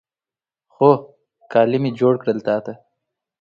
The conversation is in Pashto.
خو، کالي مې جوړ کړل تا ته